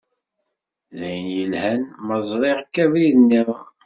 D ayen yelhan ma ẓṛiɣ-k abrid-nniḍen.